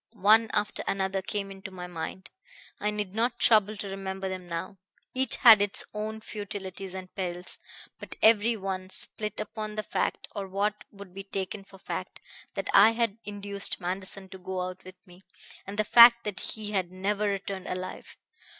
One after another came into my mind; I need not trouble to remember them now. Each had its own futilities and perils; but every one split upon the fact or what would be taken for fact that I had induced Manderson to go out with me, and the fact that he had never returned alive.